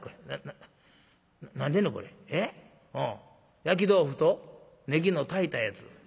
焼き豆腐とねぎの炊いたやつ。